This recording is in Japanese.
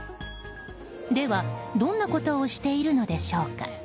では、どんなことをしているのでしょうか。